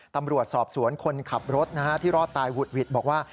ตำรวจสอบสวนคนขับรถที่รอดตายหุดหวิดบอกว่า